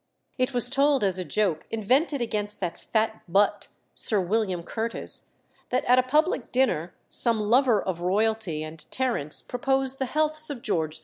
It was told as a joke invented against that fat butt, Sir William Curtis, that at a public dinner some lover of royalty and Terence proposed the healths of George IV.